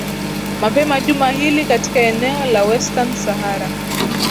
mapema juma hili katika eneo la western sahara